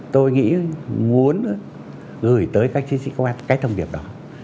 tôi nghĩ muốn gửi tới các chiến sĩ công an cái thông điệp đó